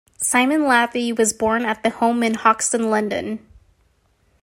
Simon Laffy was born at home in Hoxton, London.